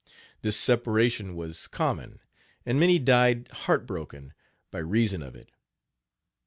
This separation was common, and many died heart broken, by reason of it.